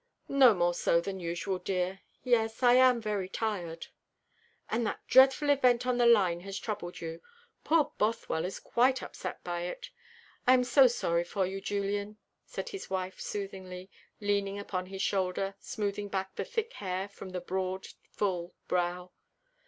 "Not more so than usual, dear. Yes, I am very tired." "And that dreadful event on the line has troubled you. Poor Bothwell is quite upset by it. I am so sorry for you, Julian," said his wife soothingly, leaning upon his shoulder, smoothing back the thick hair from the broad, full brow.